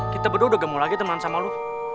kita berdua udah gak mau lagi teman sama lo